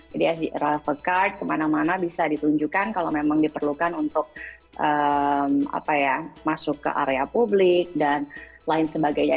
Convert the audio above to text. jadi sg rifle card kemana mana bisa ditunjukkan kalau memang diperlukan untuk masuk ke area publik dan lain sebagainya